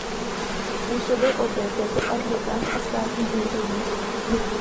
Působil opět jako advokát a státní úředník.